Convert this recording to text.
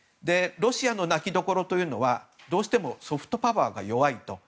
ロシアの泣きどころというのはどうしてもソフトパワーが弱いと。